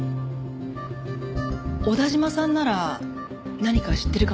小田嶋さんなら何か知ってるかもしれません。